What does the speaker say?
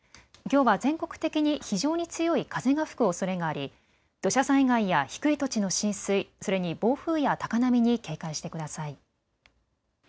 きょうは全国的に非常に強い風が吹くおそれがあり土砂災害や低い土地の浸水、それに暴風や高波に警戒してください。